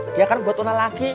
dia kan buat una lagi